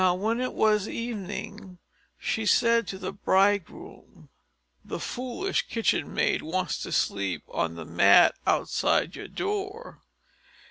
Now when it was evening, she said to her bridegroom: "The foolish kitchen maid wants to sleep on the mat outside your door."